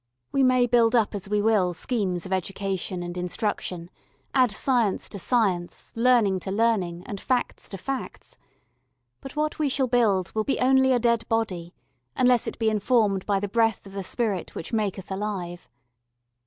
We may build up as we will schemes of Education and Instruction, add science to science, learning to learning, and facts to facts; but what we shall build will be only a dead body unless it be informed by the breath of the Spirit which maketh alive.